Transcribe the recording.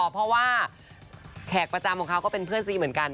เพราะว่าแขกประจำของเขาก็เป็นเพื่อนซีเหมือนกัน